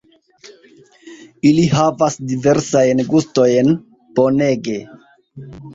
Ili havas diversajn gustojn, bonege